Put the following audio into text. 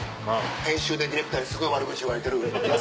編集でディレクターにすごい悪口言われてる。